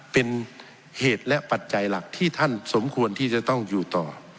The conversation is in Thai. เป็นเหตุและปัจจัยหลักที่ท่านสมควรที่จะต้องอยู่ต่อ